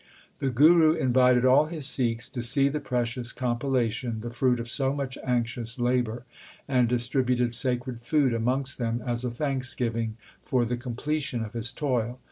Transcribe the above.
The Guru invited all his Sikhs to see the precious compilation, the fruit of so much anxious labour, and distributed sacred food amongst them as a thanksgiving for the completion of his toil.